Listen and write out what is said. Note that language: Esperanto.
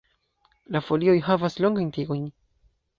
La folioj havas longajn tigojn.